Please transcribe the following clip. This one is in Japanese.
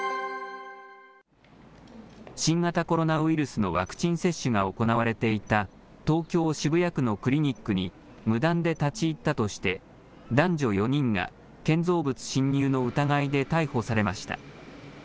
新型コロナウイルスのワクチン接種が行われていた東京・渋谷区のクリニックに無断で立ち入ったとして、男女４人が建造物侵入の疑いで逮捕されました。